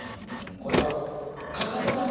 これはかかとだね。